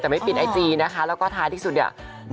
แต่ไม่ปิดไอจีนะคะแล้วก็ท้ายที่สุดเนี่ย